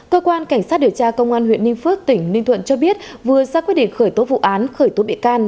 cơ quan cảnh sát điều tra công an huyện ninh phước tỉnh ninh thuận cho biết vừa ra quyết định khởi tố vụ án khởi tố bị can